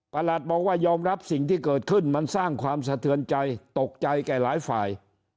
บอกว่ายอมรับสิ่งที่เกิดขึ้นมันสร้างความสะเทือนใจตกใจแก่หลายฝ่าย